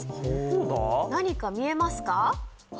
何か見えますか？